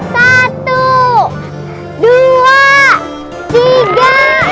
satu dua tiga